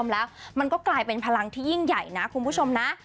แล้วมันก็กลายเป็นพลังที่ยิ่งใหญ่นะคุณผู้ชมนะ